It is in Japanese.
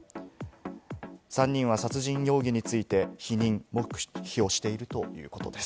３人は殺人容疑について否認または黙秘しているということです。